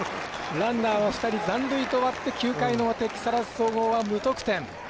ランナー、２人残塁と終わって９回の表、木更津総合は無得点。